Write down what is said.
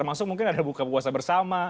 termasuk mungkin ada buka puasa bersama